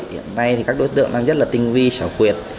hiện nay các đối tượng đang rất là tinh vi sảo quyệt